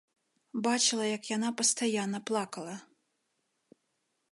Бачыла як яна пастаянна плакала.